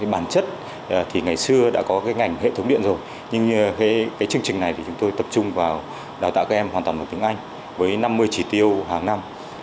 bản chất thì ngày xưa đã có ngành hệ thống điện rồi nhưng chương trình này chúng tôi tập trung vào đào tạo các em hoàn toàn vào tiếng anh với năm mươi chỉ tiêu hàng năm